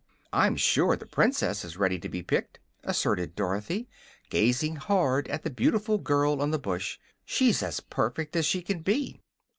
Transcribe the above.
"I'm sure the Princess is ready to be picked," asserted Dorothy, gazing hard at the beautiful girl on the bush. "She's as perfect as she can be."